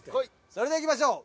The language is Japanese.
それではいきましょう。